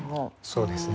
そうですね。